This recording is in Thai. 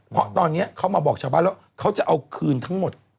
เพราะตอนนี้เขามาบอกชาวบ้านแล้วเขาจะเอาคืนทั้งหมด